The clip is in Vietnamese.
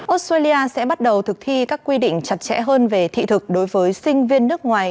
australia sẽ bắt đầu thực thi các quy định chặt chẽ hơn về thị thực đối với sinh viên nước ngoài